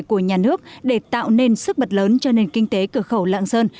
của nhà nước để tạo nên sức mật lớn cho nền kinh tế cửa khẩu lạng sơn